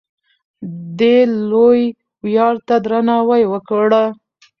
دې لوی ویاړ ته درناوی وکړه.